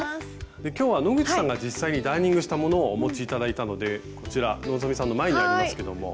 今日は野口さんが実際にダーニングしたものをお持ち頂いたのでこちら希さんの前にありますけども。